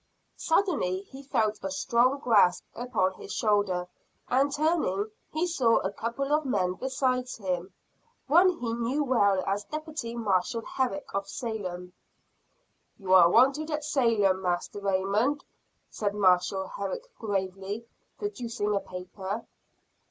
Suddenly he felt a strong grasp upon his shoulder; and turning, he saw a couple of men beside him. One he knew well as deputy marshall Herrick, of Salem. "You are wanted at Salem, Master Raymond," said Marshall Herrick gravely, producing a paper.